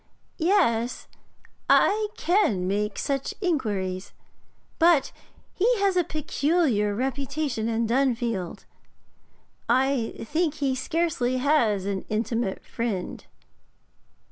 'Yes, I can make such inquiries. But he has a peculiar reputation in Dunfield; I think he scarcely has an intimate friend.'